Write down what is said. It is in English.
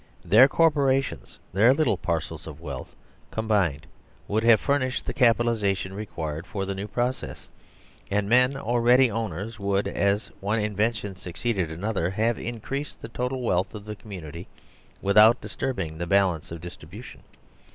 Their corporations, their little parcels of wealth combined would have furnished the capitalisation re quired for the new processes, and men already owners would, as one invention succeeded another, have in creased the total wealth of the community without disturbing the balance of distribution.